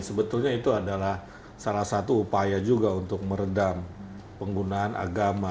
sebetulnya itu adalah salah satu upaya juga untuk meredam penggunaan agama